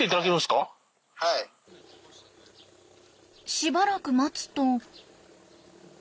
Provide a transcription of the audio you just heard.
しばらく待つと。